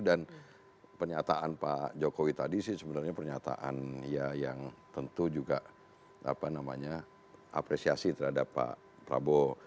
dan pernyataan pak jokowi tadi sih sebenarnya pernyataan ya yang tentu juga apresiasi terhadap pak prabowo